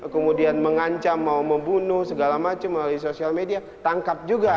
kemudian mengancam mau membunuh segala macam melalui sosial media tangkap juga